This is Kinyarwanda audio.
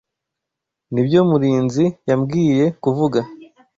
Nibyo Murinzi yambwiye kuvuga.